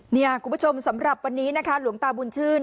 คุณผู้ชมสำหรับวันนี้นะคะหลวงตาบุญชื่น